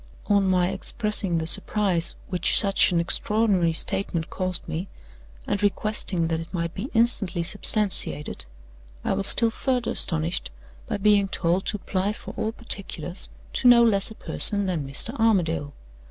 On my expressing the surprise which such an extraordinary statement caused me, and requesting that it might be instantly substantiated, I was still further astonished by being told to apply for all particulars to no less a person than Mr. Armadale.